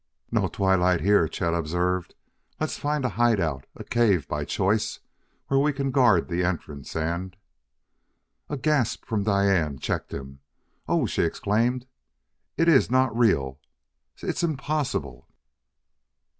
"No twilight here," Chet observed; "let's find a hide out a cave, by choice where we can guard the entrance and " A gasp from Diane checked him. "Oh!" she exclaimed. "It is not real! _C'est impossible!